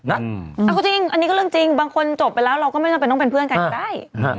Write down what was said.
เอาจริงอันนี้ก็เรื่องจริงบางคนจบไปแล้วเราก็ไม่จำเป็นต้องเป็นเพื่อนกันก็ได้